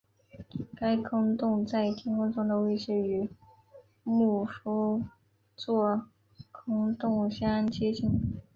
该空洞在天空中的位置与牧夫座空洞相接近。